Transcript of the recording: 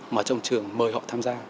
mà trong trường mời họ tham gia